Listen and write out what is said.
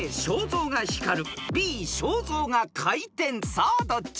［さあどっち？］